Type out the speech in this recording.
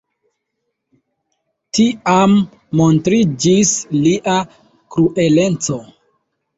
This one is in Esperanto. Tiam montriĝis lia krueleco.